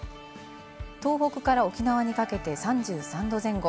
東北から沖縄にかけて３３度前後。